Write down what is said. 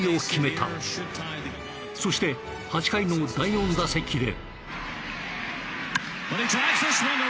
そして８回の第４打席で。